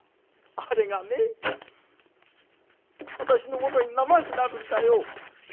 「あれがね私のものにならなくなるんだよ！」。